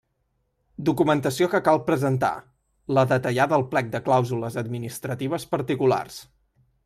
Documentació que cal presentar: la detallada al plec de clàusules administratives particulars.